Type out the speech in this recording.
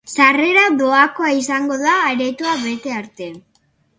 Sarrera doakoa izango da aretoa bete arte.